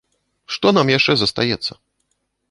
Што нам яшчэ застаецца?